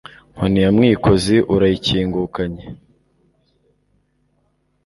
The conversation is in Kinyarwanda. Nkoni ya Mwikozi urayikingukanye.